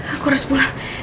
aku harus pulang